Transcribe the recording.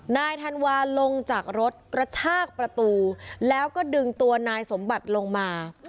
นายธันวาลงจากรถกระชากประตูแล้วก็ดึงตัวนายสมบัติลงมา